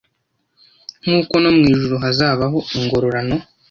nkuko no mu ijuru hazabaho ingororano